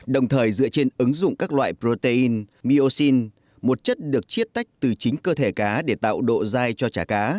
đồng thời dựa trên ứng dụng các loại protein miosin một chất được chiết tách từ chính cơ thể cá để tạo độ dai cho chả cá